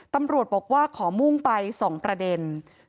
ตำรวจบอกว่าขอมุ่งไป๒ประเด็น